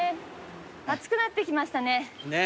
暑くなってきましたね。